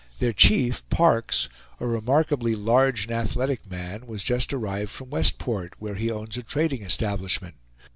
Their chief, Parks, a remarkably large and athletic man, was just arrived from Westport, where he owns a trading establishment.